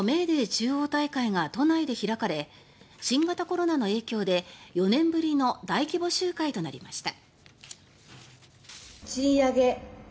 中央大会が都内で開かれ新型コロナの影響で４年ぶりの大規模集会となりました。